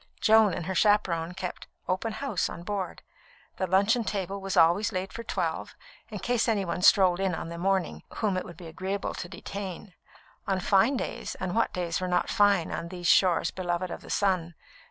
Joan and her chaperon kept "open house" on board. The luncheon table was always laid for twelve, in case any one strolled on in the morning whom it would be agreeable to detain. On fine days and what days were not fine on these shores beloved of the sun?